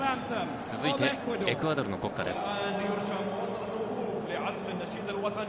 続いて、エクアドルの国歌です。